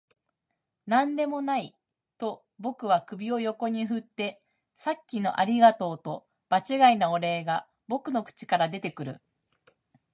「何でもない」と僕は首を横に振って、「さっきのありがとう」と場違いなお礼が僕の口から出てくる